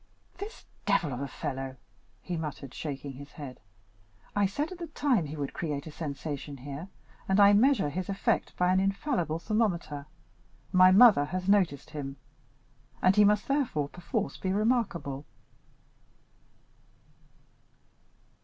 "This devil of a fellow," he muttered, shaking his head; "I said at the time he would create a sensation here, and I measure his effect by an infallible thermometer. My mother has noticed him, and he must therefore, perforce, be remarkable."